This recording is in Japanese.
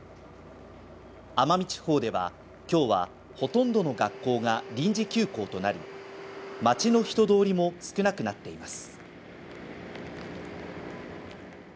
奄美地方では、今日はほとんどの学校が臨時休校となり、街の人通りも少なくなっています。